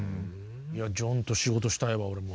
ジョンと仕事したいわ俺も。